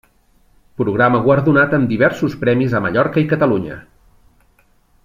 Programa guardonat amb diversos premis a Mallorca i Catalunya.